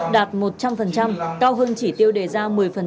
đạt một trăm linh cao hơn chỉ tiêu đề ra một mươi